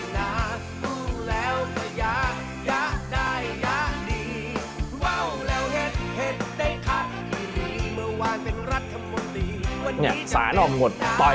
เนี่ยสระนอบหมดปล่อย